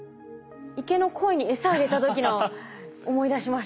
池のコイにエサあげた時の思い出しました。